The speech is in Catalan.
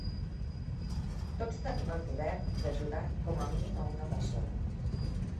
Tots tenim el poder d'ajudar com a mínim a una persona.